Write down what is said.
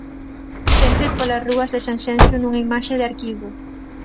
Xente polas rúas de Sanxenxo nunha imaxe de arquivo.